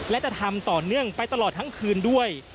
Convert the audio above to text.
และจะทำต่อเนื่องไปตลอดทั้งคืนด้วย